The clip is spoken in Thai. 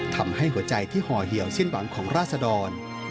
ทำให้หัวใจที่ห่อเหี่ยวสิ้นหวังของราศดร